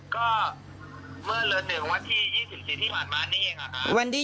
ก็เมื่อเรือ๑วันที่๒๔ที่ผ่านมานี่เอง